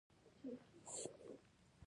افغانستان د ابريښم پر لار پروت دی.